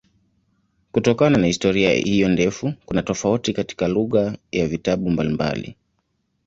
Kutokana na historia hiyo ndefu kuna tofauti katika lugha ya vitabu mbalimbali.